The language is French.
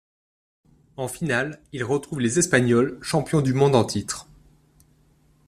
En finale, ils retrouvent les Espagnols, champions du monde en titre.